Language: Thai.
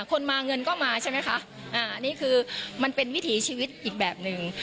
คนมาเงินก็มาใช่ไหมคะอ่านี่คือมันเป็นวิถีชีวิตอีกแบบหนึ่ง